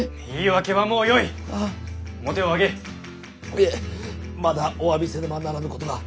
いえまだお詫びせねばならぬことが。